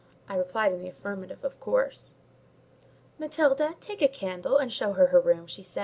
I replied in the affirmative, of course. "Matilda, take a candle, and show her her room," said she.